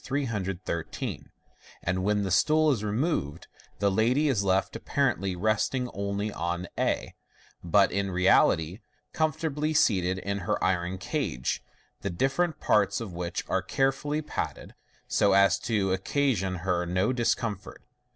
313, and when the stool is removed, the lady is left apparently resting only on a, but in reality comfortably seated in her iron cage, the different parts of which are all carefully padded, so as to occasion her no discomfort.